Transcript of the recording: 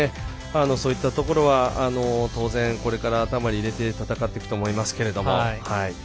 そういったところは、当然これから頭に入れて戦っていくと思いますけど。